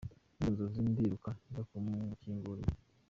Muri izo nzozi ndiruka njya kumukingurira.